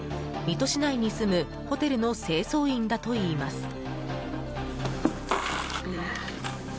水戸市内に住むホテルの清掃員だといいます。